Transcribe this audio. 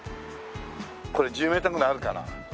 これ１０メーターぐらいあるかな？